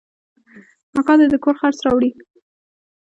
اکا دې د کور خرڅ راوړي.